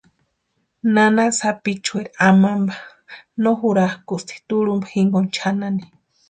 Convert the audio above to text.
Nana sapichueri amampa no jurakʼusti turhumpa jinkoni chʼanani.